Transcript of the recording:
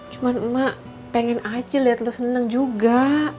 cuma mak pengen aja liat lo seneng juga